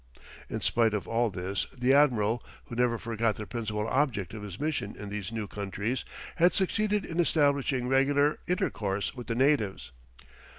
In spite of all this, the admiral, who never forgot the principal object of his mission in these new countries, had succeeded in establishing regular intercourse with the natives.